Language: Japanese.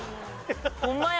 ホンマや！